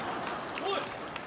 おい！